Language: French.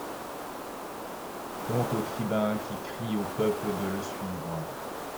Honte au tribun qui crie au peùple de le suivre